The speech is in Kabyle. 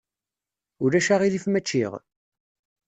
Ulac aɣilif ma ččiɣ?